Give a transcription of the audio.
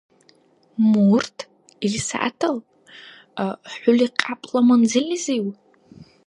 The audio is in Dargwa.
Мурт? ИлсягӀятал? ХӀули кьяпӀла манзаллизив?